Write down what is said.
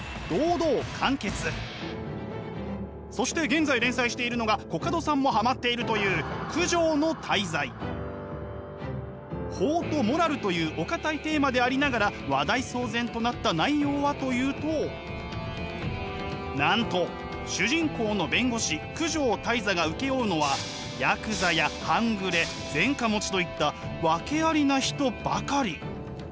そして現在連載しているのがコカドさんもハマっているという法とモラルというお堅いテーマでありながら話題騒然となった内容はというとなんと主人公の弁護士九条間人が請け負うのはヤクザや半グレ前科持ちといった訳ありな人ばかり。